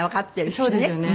そうですよね。